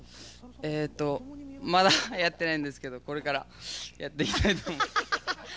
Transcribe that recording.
えっとまだやってないんですけどこれからやっていきたいと。